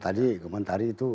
saya menarik itu